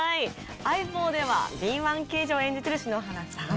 『相棒』では敏腕刑事を演じてる篠原さん。